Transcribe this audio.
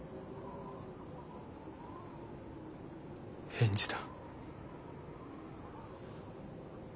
返事だ。